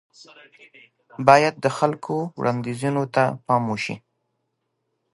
بايد د خلکو وړانديزونو ته پام وشي.